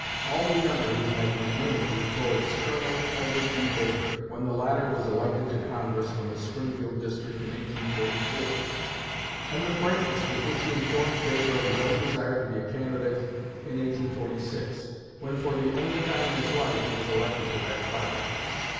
All remember his magnanimity towards Col. Edward D. Baker, when the latter was elected to Congress from the Springfield District in 1844, and the frankness with which he informed Baker of his own desire to be a candidate in 1846 when for the only time in his life, he was elected to that body.